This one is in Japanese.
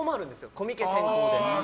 コミケ先行で。